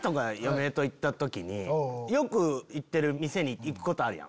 よく行ってる店に行くことあるやん。